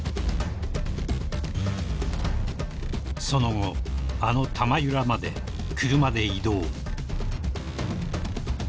［その後あの玉響まで車で移動］